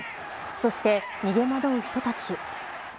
そして逃げ惑う人たち。